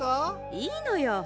いいのよ。